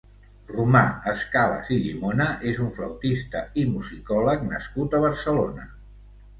Romà Escalas i Llimona és un flautista i musicòleg nascut a Barcelona.